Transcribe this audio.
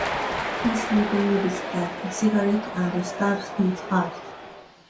Cash retrieves the cigarette and stubs it out.